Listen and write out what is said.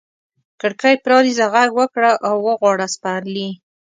کړکۍ پرانیزه، ږغ وکړه را وغواړه سپرلي